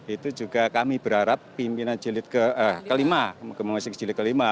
itu juga kami berharap pimpinan jilid kelima